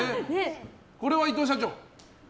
これは、伊藤社長。